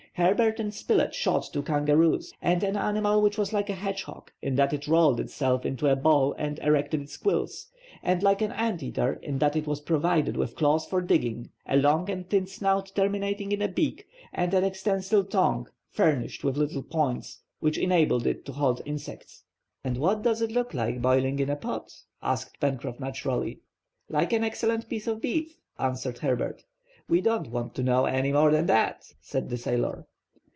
Herbert and Spilett shot two kangaroos and an animal which was like a hedge hog, in that it rolled itself into a ball and erected its quills, and like an ant eater, in that it was provided with claws for digging, a long and thin snout terminating in a beak, and an extensile tongue furnished with little points, which enabled it to hold insects. "And what does it look like boiling in the pot?" asked Pencroff, naturally. "Like an excellent piece of beef," answered Herbert. "We don't want to know any more than that," said the sailor.